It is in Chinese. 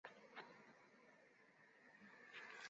不过公务员内部缺额的升职机会还是优于民间。